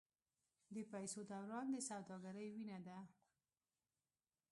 د پیسو دوران د سوداګرۍ وینه ده.